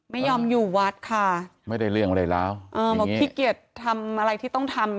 ไม่ยอมอยู่วัดค่ะไม่ได้เรื่องอะไรแล้วอ่าบอกขี้เกียจทำอะไรที่ต้องทำ